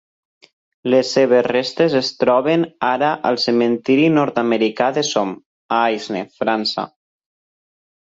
Les seves restes es troben ara al cementiri nord-americà de Somme, a Aisne, França.